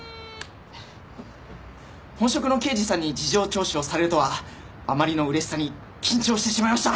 本職の刑事さんに事情聴取をされるとはあまりの嬉しさに緊張してしまいました！